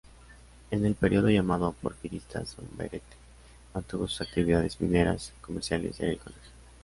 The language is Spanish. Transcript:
En el periodo llamado porfirista Sombrerete mantuvo sus actividades mineras, comerciales y agrícolas.